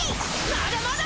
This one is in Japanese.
まだまだ！